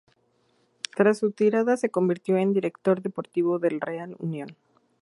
Tras su retirada se convirtió en director deportivo del Real Unión.